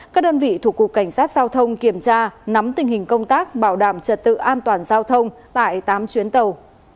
các đơn vị thuộc cục cảnh sát giao thông kiểm tra nắm tình hình công tác bảo đảm trật tự an toàn giao thông tại tám chuyến tàu